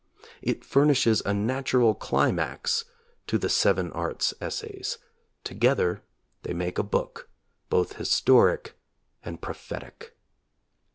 It furnishes a natural climax to The Seven Arts essays; together they make a book, both historic and prophetic.